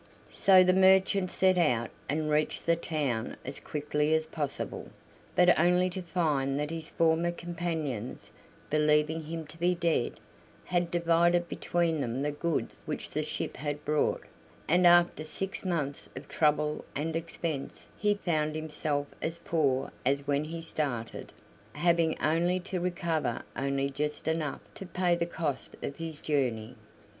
So the merchant set out and reached the town as quickly as possible, but only to find that his former companions, believing him to be dead, had divided between them the goods which the ship had brought; and after six months of trouble and expense he found himself as poor as when he started, having been able to recover only just enough to pay the cost of his journey.